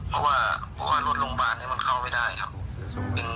เพราะว่ารถโรงพยาบาลมันเข้าไม่ได้ครับ